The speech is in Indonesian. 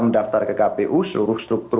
mendaftar ke kpu seluruh struktur